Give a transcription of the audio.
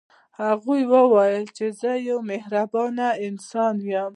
هغه وايي چې زه یو مهربانه انسان یم